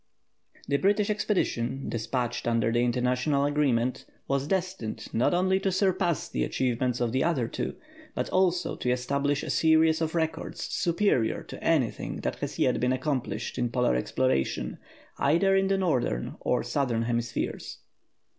The British Expedition, despatched under the international agreement, was destined, not only to surpass the achievements of the other two, but also to establish a series of records superior to anything that has yet been accomplished in Polar exploration, either in the northern or southern hemispheres.